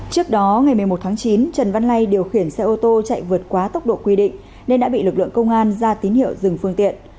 trước đó ngày một mươi một tháng chín trần văn lay điều khiển xe ô tô chạy vượt quá tốc độ quy định nên đã bị lực lượng công an ra tín hiệu dừng phương tiện